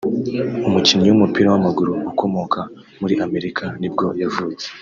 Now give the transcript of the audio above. umukinnyi w’umupira w’amaguru ukomoka muri Amerika nibwo yavutse